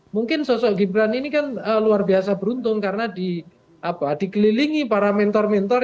mungkin sosok gibran ini kan luar biasa beruntung karena dikelilingi para mentor mentor